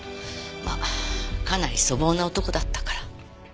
まあかなり粗暴な男だったから。